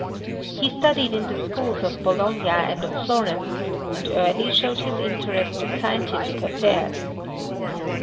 He studied in the schools of Bologna and of Florence, and early showed his interest in scientific affairs.